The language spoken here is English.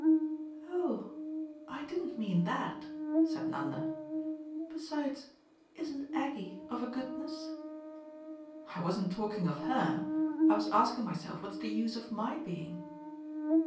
"Oh I didn't mean that," said Nanda. "Besides, isn't Aggie of a goodness ?" "I wasn't talking of her. I was asking myself what's the use of MY being."